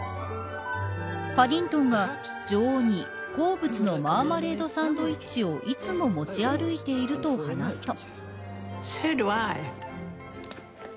パディントンは女王に好物のマーマレードサンドイッチをいつも持ち歩いていると話すと。